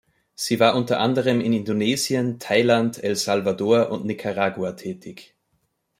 Sie war unter anderem in Indonesien, Thailand, El Salvador und Nicaragua tätig.